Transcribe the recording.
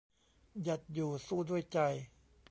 หยัดอยู่สู้ด้วยใจ